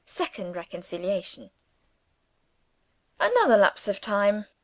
Second reconciliation. Another lapse of time.